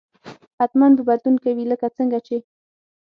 حتما به بدلون کوي لکه څنګه چې